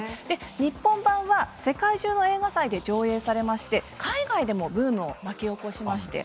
日本版は世界中の映画祭で上映されまして海外でもブームを巻き起こしました。